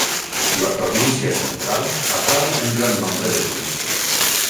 La província Central atrau un gran nombre de turistes.